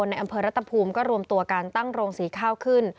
ในอำเภอรัตภูมิก็รวมตัวการตั้งโรงสีข้าวขึ้น